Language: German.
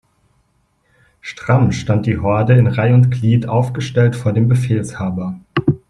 Stramm stand die Horde in Reih' und Glied aufgestellt vor dem Befehlshaber.